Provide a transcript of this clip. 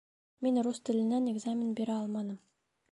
Мин рус теленән экзамен бирә алманым